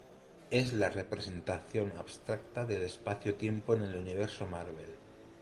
Es la representación abstracta del espacio-tiempo en el Universo Marvel.